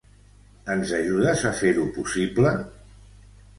Ens ajudes a fer-ho possible?